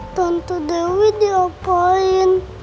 tante dewi diapain